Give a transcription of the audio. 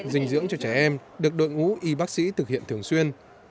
dinh dưỡng cho trẻ em được đội ngũ y bác sĩ thực hiện thường xuyên